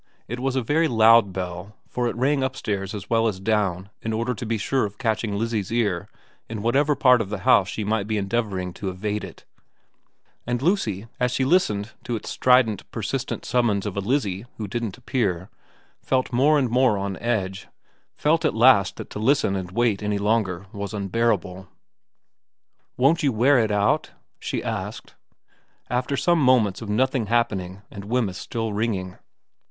It was a very loud bell, for it rang upstairs as well as down in order to be sure of catching Lizzie's ear in whatever part of the house she might be endeavouring to evade it, and Lucy, as she listened to its strident, persistent summons of a Lizzie who didn't appear, felt more and more on edge, felt at last that to listen and wait any longer was unbearable. ' Won't you wear it out ?' she asked, after some moments of nothing happening and Wemyss still ringing.